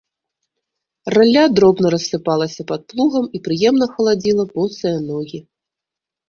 Ралля дробна рассыпалася пад плугам і прыемна халадзіла босыя ногі.